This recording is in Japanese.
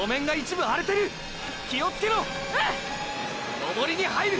登りに入る！！